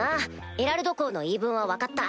エラルド公の言い分は分かった。